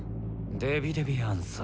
デビデビアンサー？